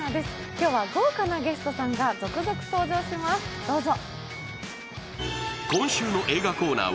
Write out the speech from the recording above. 今日は豪華なゲストさんが続々登場します、どうぞ。